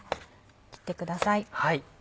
切ってください。